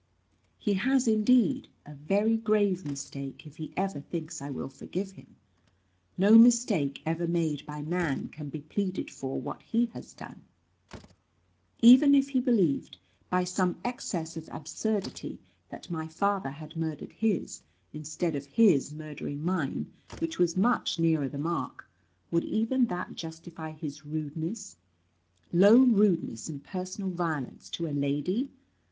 "He has, indeed, a very grave mistake, if he ever thinks I will forgive him. No mistake ever made by man can be pleaded for what he has done. Even if he believed, by some excess of absurdity, that my father had murdered his, instead of his murdering mine (which was much nearer the mark), would even that justify his rudeness, low rudeness, and personal violence to a lady?